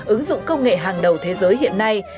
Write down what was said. ứng dụng công nghệ hàng đầu thế giới hiện nay